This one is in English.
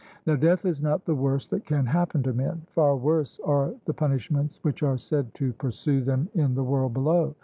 Now death is not the worst that can happen to men; far worse are the punishments which are said to pursue them in the world below.